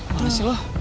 mana sih lu